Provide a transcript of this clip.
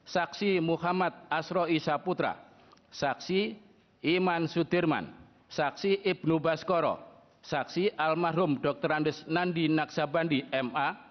saksi muhammad asro isaputra saksi iman sudirman saksi ibnu baskoro saksi almarhum dr andes nandi naksabandi ma